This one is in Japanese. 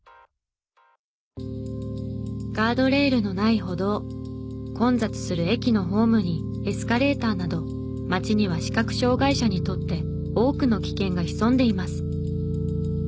ガードレールのない歩道混雑する駅のホームにエスカレーターなど街には視覚障がい者にとって多くの危険が潜んでいます。